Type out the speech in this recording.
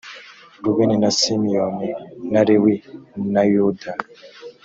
rubeni na simiyoni na lewi na yuda